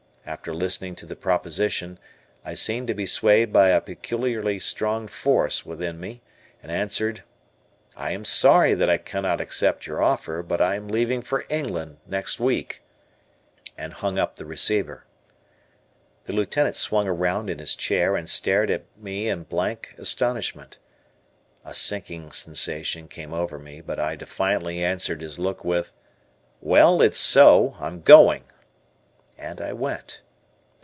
After listening to the proposition, I seemed to be swayed by a peculiarly strong force within me, and answered, "I am sorry that I cannot accept your offer, but I am leaving for England next week," and hung up the receiver. The Lieutenant swung around in his chair, and stared at me in blank astonishment. A sinking sensation came over me, but I defiantly answered his look with, "Well, it's so. I'm going." And I went.